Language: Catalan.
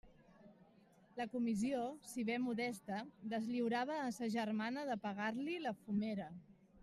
La comissió, si bé modesta, deslliurava a sa germana de pagar-li la fumera.